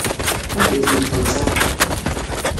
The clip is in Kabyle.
Anda ay ten-txellṣeḍ?